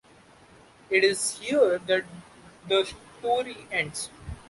It is here that the story ends.